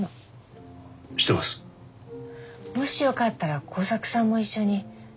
もしよかったら耕作さんも一緒に。